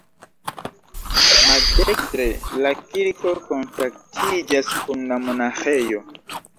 Maldekstre la kirko kontaktiĝas kun la monaĥejo.